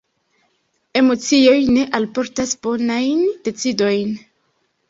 Emocioj ne alportas bonajn decidojn.